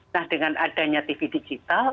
nah dengan adanya tv digital